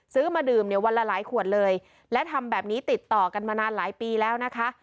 มาดื่มเนี่ยวันละหลายขวดเลยและทำแบบนี้ติดต่อกันมานานหลายปีแล้วนะคะ